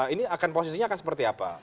ini akan posisinya akan seperti apa